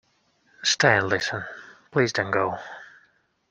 Stay and listen; please don't go